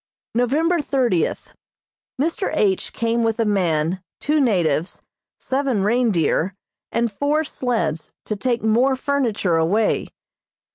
November thirtieth: Mr. H. came with a man, two natives, seven reindeer and four sleds to take more furniture away.